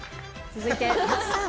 続いて那須さん。